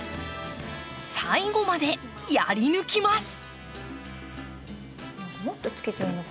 最後までやり抜きます。